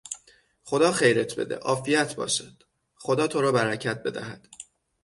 خدا خیرت بده!، عافیت باشد!، خدا تو را برکت بدهد!